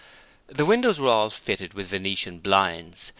The windows were all fitted with venetian blinds.